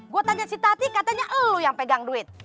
gue tanya si tati katanya lu yang pegang duit